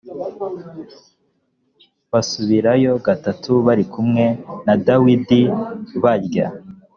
basibirayo gatatu bari kumwe na dawidi barya